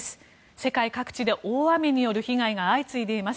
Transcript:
世界各地で大雨による被害が相次いでいます。